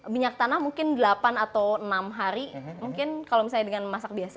minyak tanah mungkin delapan atau enam hari mungkin kalau misalnya dengan masak biasa